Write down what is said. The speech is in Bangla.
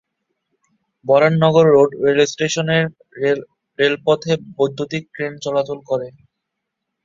বরানগর রোড রেলওয়ে স্টেশনের রেলপথে বৈদ্যুতীক ট্রেন চলাচল করে।